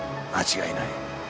間違いない。